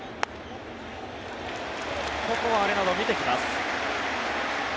ここはアレナド、見てきます。